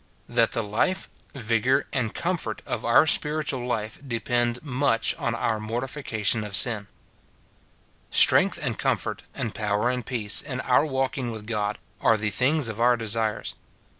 That the life, vigour, and comfort of our spirit ual life depend much on our mortification of sin. Strength and comfort, and power and peace, in our walking with God, are the things of our desires.